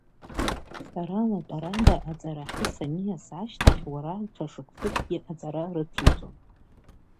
Сара латәарада аҵарахьы саниас ашьҭахь уара аҽа шықәсыкгьы аҵара рыцуҵон.